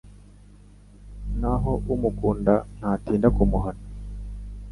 naho umukunda ntatinda kumuhana